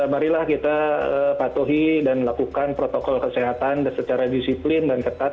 marilah kita patuhi dan lakukan protokol kesehatan secara disiplin dan ketat